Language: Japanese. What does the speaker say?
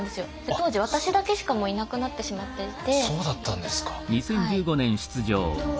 当時私だけしかいなくなってしまっていて。